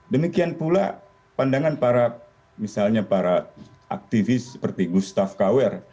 demikian pula pandangan para misalnya para aktivis seperti gustaf kawer